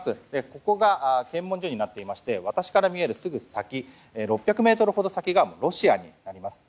ここが検問所になっていまして私から見えるすぐ先６００ｍほど先がロシアになります。